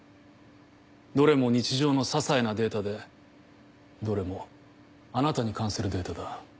どれも日常の些細なデータでどれもあなたに関するデータだ。